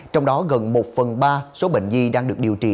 trong đó gần một phần ba số bệnh nhi đang được điều trị